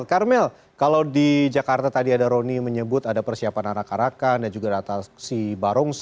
karmel kalau di jakarta tadi ada roni menyebut ada persiapan anak anak dan juga ada atas si barongsai